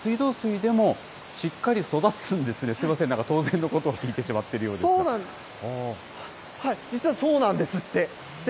水道水でもしっかり育つんですね、すみません、なんか当然のことを聞いてしまっているようなんですが。